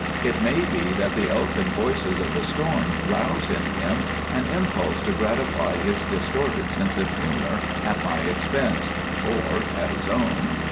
It may be that the elfin voices of the storm roused in him an impulse to gratify his distorted sense of humor at my expense or at his own.